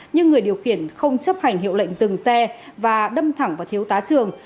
nhưng người điều khiển không chấp hành hiệu lệnh dừng xe và đâm thẳng vào thiếu tá trường